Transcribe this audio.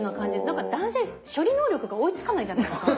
何か男性処理能力が追いつかないじゃないですか。